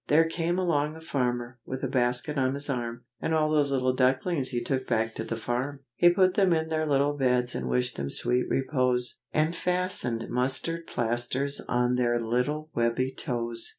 There came along a farmer, with a basket on his arm, And all those little ducklings he took back to the farm, He put them in their little beds and wished them sweet repose, And fastened mustard plasters on their little webby toes.